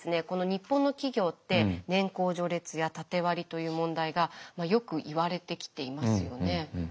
この日本の企業って年功序列や縦割りという問題がよく言われてきていますよね。